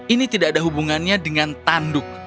ini tidak ada hubungannya dengan tanduk